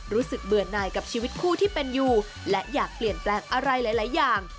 เบื่อหน่ายกับชีวิตคู่ที่เป็นอยู่และอยากเปลี่ยนแปลงอะไรหลายอย่าง